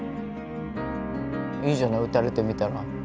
いいじゃない打たれてみたら。